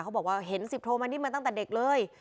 เขาบอกว่าเห็นสิบโทมานิดมาตั้งแต่เด็กเลย